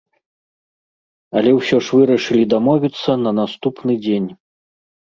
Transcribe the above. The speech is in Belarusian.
Але ўсё ж вырашылі дамовіцца на наступны дзень.